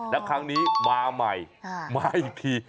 แล้วครั้งนี้มาใหม่มาอีกที